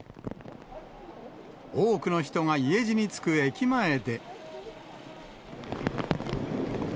多くの人が家路につく駅前で。